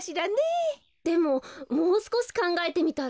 でももうすこしかんがえてみたら？